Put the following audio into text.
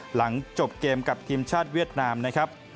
หลังจบเกมกับทีมชาติเวียดนามนะครับ